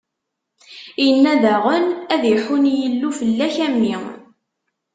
Inna daɣen: Ad iḥunn Yillu fell-ak, a mmi!